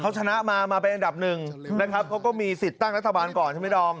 เขาชนะมามาเป็นอันดับหนึ่งนะครับเขาก็มีสิทธิ์ตั้งรัฐบาลก่อนใช่ไหมดอม